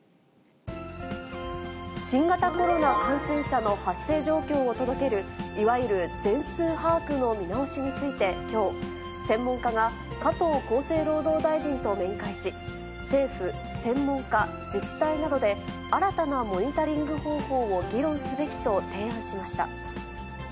新型コロナ感染者の発生状況を届ける、いわゆる全数把握の見直しについてきょう、専門家が加藤厚生労働大臣と面会し、政府、専門家、自治体などで、新たなモニタリング方法を議論すべきと提案しました。